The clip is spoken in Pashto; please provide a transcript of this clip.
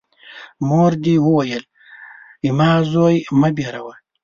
مور دي وویل : زما زوی مه بېروه!